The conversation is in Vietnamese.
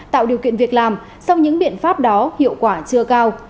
tạo điều kiện việc làm song những biện pháp đó hiệu quả chưa cao